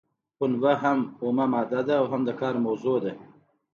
پنبه هم اومه ماده ده او هم د کار موضوع ده.